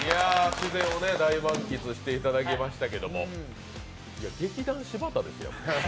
沖縄を大満喫していただきましたけれども劇団柴田ですよ